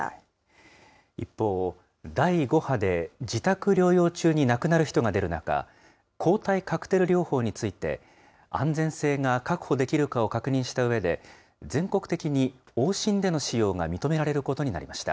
一方、第５波で自宅療養中に亡くなる人が出る中、抗体カクテル療法について、安全性が確保できるかを確認したうえで、全国的に往診での使用が認められることになりました。